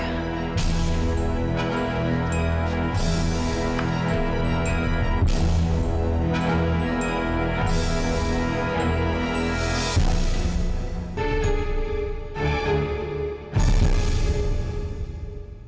jadi kita harus sendirimu